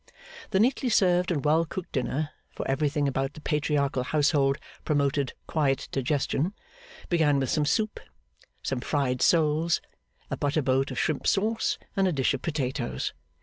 The neatly served and well cooked dinner (for everything about the Patriarchal household promoted quiet digestion) began with some soup, some fried soles, a butter boat of shrimp sauce, and a dish of potatoes.